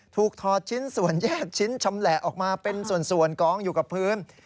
ถอดชิ้นส่วนแยกชิ้นชำแหละออกมาเป็นส่วนกองอยู่กับพื้น